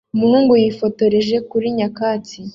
Umuhungu yifotoreje kuri nyakatsi